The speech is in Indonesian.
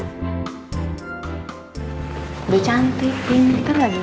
udah cantik pinter ya